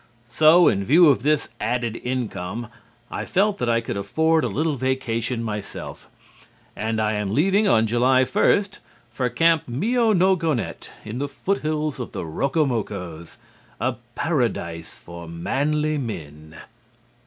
So in view of this added income, I felt that I could afford a little vacation myself, and am leaving on July 1st for Camp Mionogonett in the foothills of the Rokomokos, "a Paradise for Manly Men."